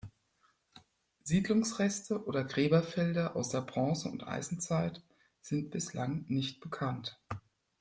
Siedlungsreste oder Gräberfelder aus der Bronze- und Eisenzeit sind bislang nicht bekannt.